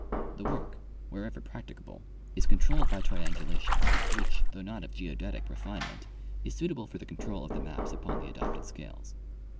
The work, wherever practicable, is controlled by triangula tion, which, though not of geodetic refinement, is suitable for the control of the maps upon the adopted scales.